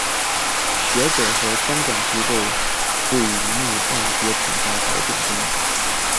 学者和监管机构对逆按揭评价褒贬不一。